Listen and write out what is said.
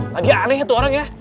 lagi aneh tuh orang ya